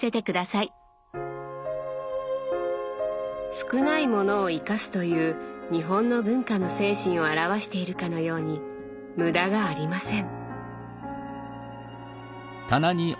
「少ないものを生かす」という日本の文化の精神を表しているかのように無駄がありません。